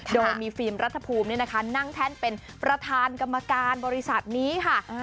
โดยมีฟิล์มรัฐภูมินั่งแท่นเป็นประธานกรรมการบริษัทนี้ค่ะ